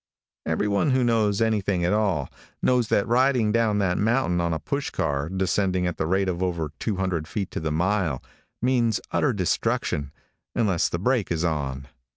Every one who knows anything at all, knows that riding down that mountain on a push car, descending at the rate of over 200 feet to the mile, means utter destruction, unless the brake is on.